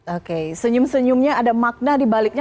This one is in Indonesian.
oke senyum senyumnya ada makna dibaliknya